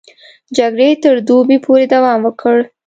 جګړې تر دوبي پورې دوام وکړ.